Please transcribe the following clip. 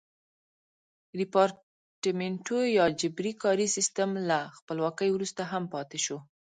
ریپارټمنټو یا جبري کاري سیستم له خپلواکۍ وروسته هم پاتې شو.